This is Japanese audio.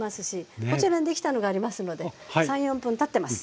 こちらにできたのがありますので３４分たってます。